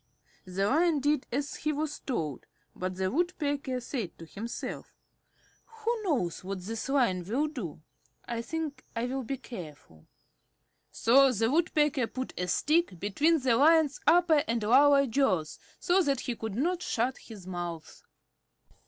The Lion did as he was told, but the Woodpecker said to himself: "Who knows what this Lion will do? I think I will be careful." So the Woodpecker put a stick between the Lion's upper and lower jaws so that he could not shut his mouth.